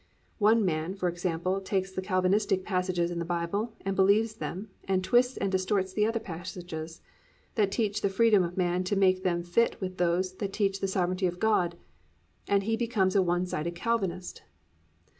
One man, for example, takes the Calvinistic passages in the Bible and believes them and twists and distorts the other passages; that teach the freedom of man, to make them fit with those that teach the sovereignty of God, and he becomes a one sided Calvinist.